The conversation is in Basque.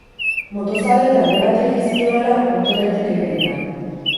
Motozale talde batekin zihoala, motorretik erori da.